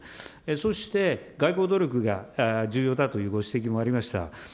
そして外交努力が重要だというご指摘もありました。